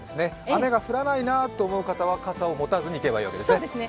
雨が降らないなと思う方は傘を持たないでいけばいいわけですね。